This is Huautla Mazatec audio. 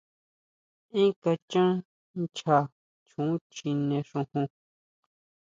Énn kachan nchá choon chjine xojon.